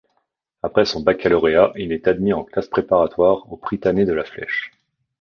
Après son baccalauréat, il est admis en classe préparatoire au Prytanée de La Flèche.